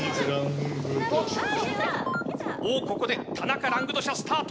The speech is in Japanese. ここで田中ラングドシャがスタート。